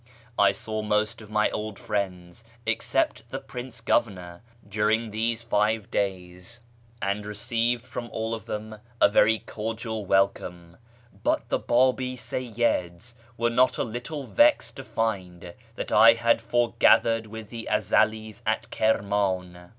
I saw most of my old friends, except the Prince Governor, during these five days, and received FROM KIRMAN to ENGLAND 547 from all of them a very cordial welcome, but the Babi Seyyids were not a little vexed to find that I had foregathered with the Ezelis at Kirman.